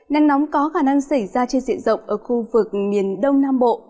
nắng nóng có khả năng xảy ra trên diện rộng ở khu vực miền đông nam bộ